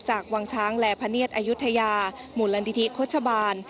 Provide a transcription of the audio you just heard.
จากวังช้างแลพเนียดอยุธยาหมุนลันดิธิคชบาล